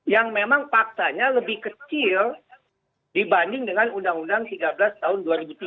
yang memang faktanya lebih kecil dibanding dengan undang undang tiga belas tahun dua ribu tiga